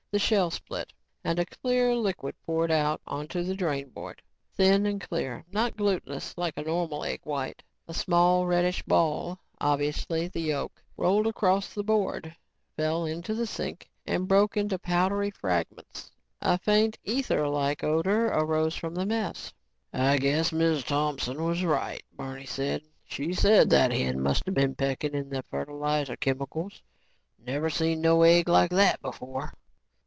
The shell split and a clear liquid poured out on to the drain board, thin and clear, not glutenous like a normal egg white. A small, reddish ball, obviously the yolk, rolled across the board, fell into the sink and broke into powdery fragments. A faint etherlike odor arose from the mess. "I guess Miz Thompson was right," Barney said. "She said that hen musta been pecking in the fertilizer chemicals. Never seen no egg like that before."